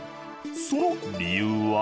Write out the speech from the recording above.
その理由は？